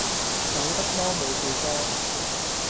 走得摩冇鼻哥